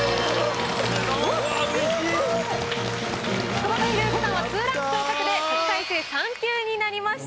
久保田裕之さんは２ランク昇格で特待生３級になりました。